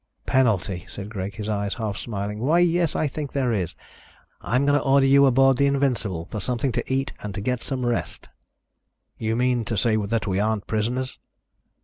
"Penalty," said Greg, his eyes half smiling. "Why, yes, I think there is. I'm going to order you aboard the Invincible for something to eat and to get some rest." "You mean to say that we aren't prisoners?"